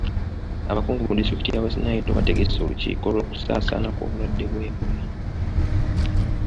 Abakungu mu disitulikiti ya West Nile bategese olukiiko lw'okusaasaana kw'obulwadde bwa Ebola.